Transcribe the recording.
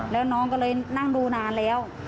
แล้วน้องก็เลยนั่งดูนานแล้ว